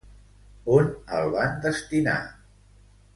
On el van destinar?